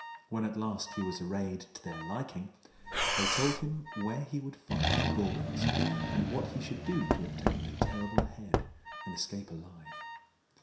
When at last he was arrayed to their liking, they told him where he would find the Gorgons, and what he should do to obtain the terrible head and escape alive.